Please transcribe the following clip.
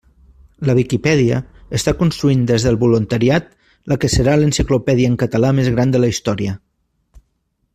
La Viquipèdia està construint des del voluntariat la que serà l'enciclopèdia en català més gran de la història.